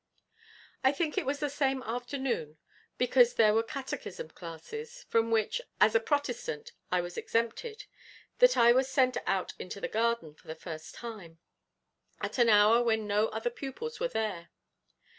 I think it was the same afternoon, because there were Catechism classes, from which, as a Protestant, I was exempted, that I was sent out into the garden, for the first time, at an hour when no other pupils were there.